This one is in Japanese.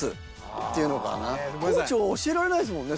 コーチは教えられないですもんね